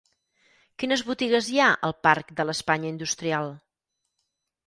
Quines botigues hi ha al parc de l'Espanya Industrial?